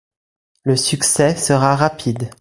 Le succès sera rapide.